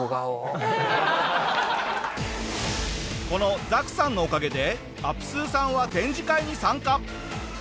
このｚＡｋさんのおかげでアプスーさんは展示会に参加。